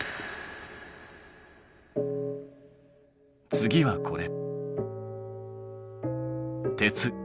次はこれ。